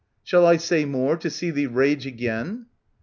Shall I say more, to see thee rage again